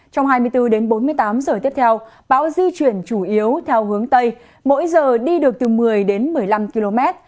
trong hai mươi bốn đến bốn mươi tám giờ tiếp theo bão di chuyển chủ yếu theo hướng tây mỗi giờ đi được từ một mươi đến một mươi năm km